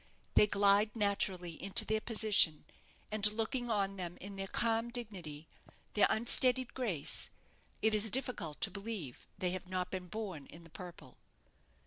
They glide naturally into their position; and, looking on them in their calm dignity, their unstudied grace, it is difficult to believe they have not been born in the purple.